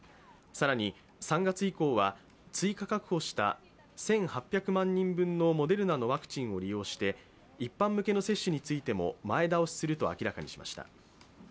更に３月以降は、追加確保した１８００万人分のモデルナのワクチンを利用して一般向けの接種についても前倒しすると明らかにしました。